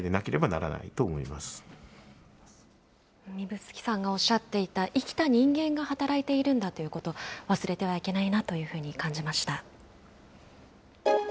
指宿さんがおっしゃっていた、生きた人間が働いているんだということ、忘れてはいけないなというふうに感じました。